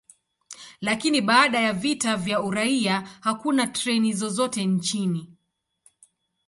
Lakini baada ya vita vya uraia, hakuna treni zozote nchini.